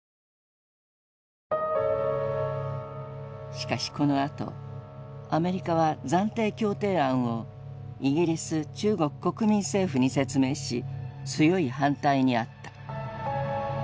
しかしこのあとアメリカは暫定協定案をイギリス中国・国民政府に説明し強い反対に遭った。